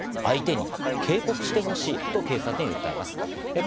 相手に警告してほしいと警察に訴えます。